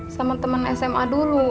sama temen sma dulu